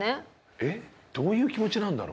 えっどういう気持ちなんだろう？